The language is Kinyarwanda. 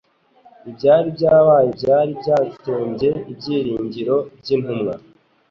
Ibyari byabaye byari byatsembye ibyiringiro by'intumwa